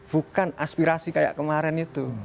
bukan aspirasi kayak kemarin itu